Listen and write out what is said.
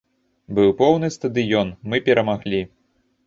Быў поўны стадыён, мы перамаглі.